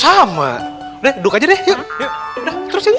ya pada saat mendatang